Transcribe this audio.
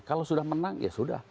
kalau sudah menang ya sudah